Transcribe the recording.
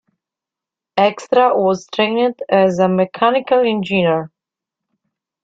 Extra was trained as a mechanical engineer.